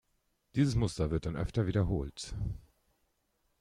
Dieses Muster wird dann öfter wiederholt.